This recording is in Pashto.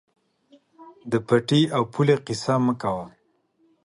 د پټي او پولې قیصه مه کوه.